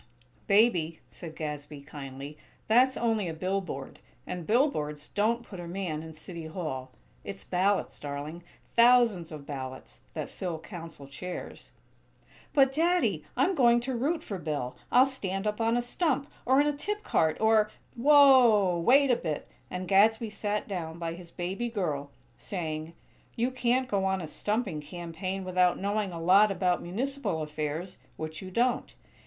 "Baby," said Gadsby, kindly, "that's only a billboard, and billboards don't put a man in City Hall. It's ballots, darling; thousands of ballots, that fill Council chairs." "But, Daddy, I'm going to root for Bill. I'll stand up on a stump, or in a tip cart, or " "Whoa! Wait a bit!" and Gadsby sat down by his "baby girl," saying: "You can't go on a stumping campaign without knowing a lot about municipal affairs; which you don't.